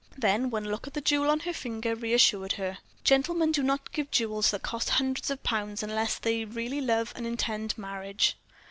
Then one look at the jewel on her finger reassured her. "Gentlemen do not give jewels that cost hundreds of pounds unless they really love and intend marriage."